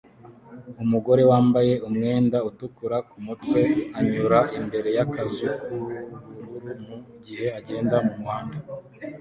Umugore wambaye umwenda utukura ku mutwe anyura imbere y’akazu k'ubururu mu gihe agenda mu muhanda